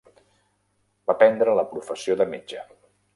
Va prendre la professió de metge.